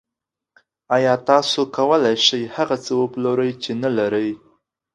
آیا تاسو کولی شئ هغه څه وپلورئ چې نلرئ